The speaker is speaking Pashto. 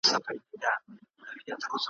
چي بنده سي څوک د مځکي د خدایانو `